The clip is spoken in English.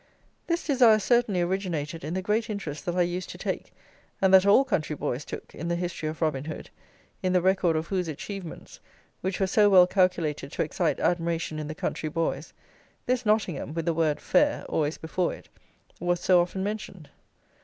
This desire certainly originated in the great interest that I used to take, and that all country boys took, in the history of Robin Hood, in the record of whose achievements, which were so well calculated to excite admiration in the country boys, this Nottingham, with the word "fair" always before it, was so often mentioned.